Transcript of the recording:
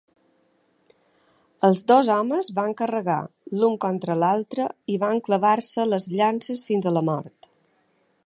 Els dos homes van carregar l'un contra l'altre i van clavar-se les llances fins a la mort.